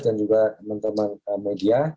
dan juga teman teman media